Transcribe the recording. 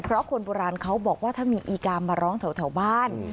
เพราะคนโบราณเขาบอกว่าถ้ามีอีกามาร้องแถวบ้าน